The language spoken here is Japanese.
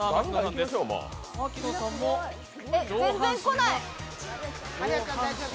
全然こない。